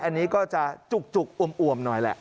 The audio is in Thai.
อันนี้ก็จะจุกอวมหน่อยแหละ